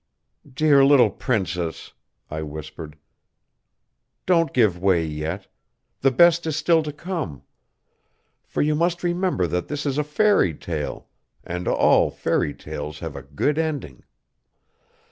"Dear little princess," I whispered, "don't give way yet. The best is still to come. For you must remember that this is a fairy tale and all fairy tales have a good ending.